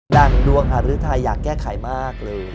ดังดวงฮารุทัยอยากแก้ไขมากเลย